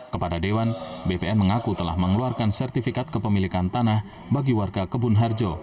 kepada dewan bpn mengaku telah mengeluarkan sertifikat kepemilikan tanah bagi warga kebun harjo